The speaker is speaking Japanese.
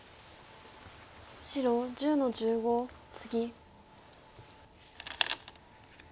白１０の十五ツギ。